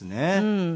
うん。